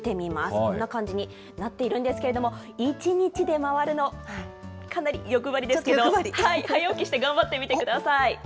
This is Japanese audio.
こんな感じになっているんですけれども、一日で回るの、かなり欲張りですけど、早起きして頑張ってみてください。